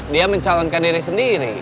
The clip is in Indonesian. dia mencalonkan diri sendiri